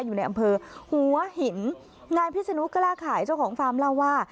อยู่ในอำเภอหัวหินนายพิศนุกล้าขายเจ้าของฟาร์มเล่าว่า